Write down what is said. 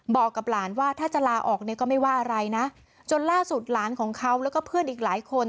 บอกกับหลานว่าถ้าจะลาออกเนี่ยก็ไม่ว่าอะไรนะจนล่าสุดหลานของเขาแล้วก็เพื่อนอีกหลายคน